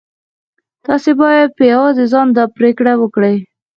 تاسې بايد په يوازې ځان دا پرېکړه وکړئ.